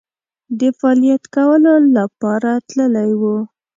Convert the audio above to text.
د فعالیت کولو لپاره تللي وو.